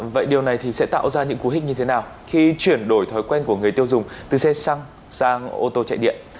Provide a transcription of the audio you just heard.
vậy điều này thì sẽ tạo ra những cú hích như thế nào khi chuyển đổi thói quen của người tiêu dùng từ xe xăng sang ô tô chạy điện